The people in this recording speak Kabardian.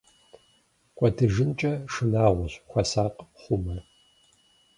КӀуэдыжынкӀэ шынагъуэщ, хуэсакъ, хъумэ!